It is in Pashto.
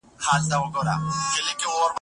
ستاسو څه حال دی ؟